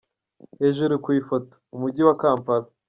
Hejuru ku ifoto: Umujyi wa Kampala.